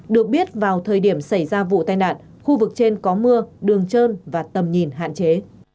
được biết vào thời điểm xảy ra vụ tai nạn khu vực trên có mưa đường trơn và tầm nhìn hạn chế